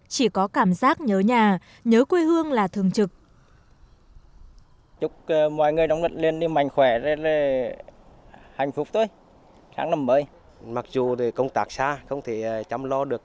chỉ có cảm giác nhớ nhà nhớ quê hương là thường trực